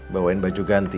bawain baju ganti